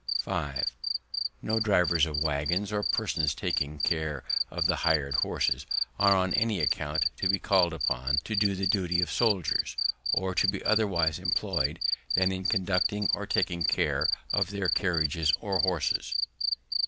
5. No drivers of waggons, or persons taking care of the hired horses, are on any account to be called upon to do the duty of soldiers, or be otherwise employed than in conducting or taking care of their carriages or horses.